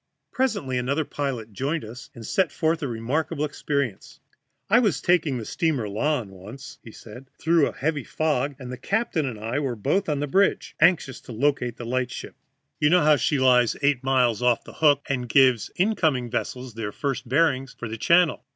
Presently another pilot joined us, and set forth a remarkable experience. "I was taking the steamer Lahn once," said he, "through a heavy fog, and the captain and I were both on the bridge, anxious to locate the light ship. You know she lies eight miles off the Hook, and gives incoming vessels their first bearings for the channel.